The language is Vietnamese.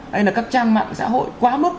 hay là các trang mạng xã hội quá mức